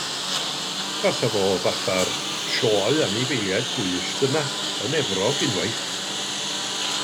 Fasa fo fath â'r sioe anifeiliaid gwyllt yna yn Efrog unwaith.